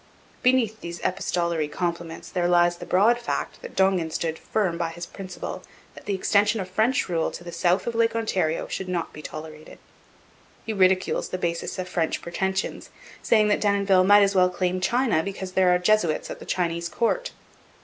Beneath these epistolary compliments there lies the broad fact that Dongan stood firm by his principle that the extension of French rule to the south of Lake Ontario should not be tolerated: He ridicules the basis of French pretensions, saying that Denonville might as well claim China because there are Jesuits at the Chinese court.